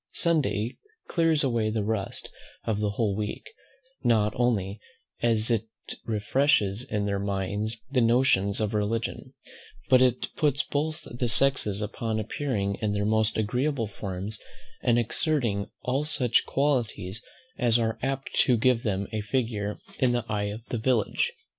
Sunday clears away the rust of the whole week, not only as it refreshes in their minds the notions of religion, but as it puts both the sexes upon appearing in their most agreeable forms, and exerting all such qualities as are apt to give them a figure in the eye of the village.